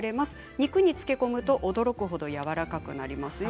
肉に漬け込むと驚くほどやわらかくなりますよ。